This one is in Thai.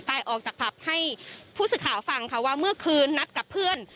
ออกจากผับให้ผู้สื่อข่าวฟังค่ะว่าเมื่อคืนนัดกับเพื่อน